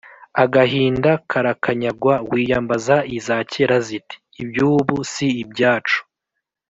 agahinda karakanyagwa, wiyambaza iza kera ziti: “iby’ubu si ibyacu